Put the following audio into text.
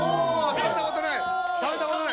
食べたことない。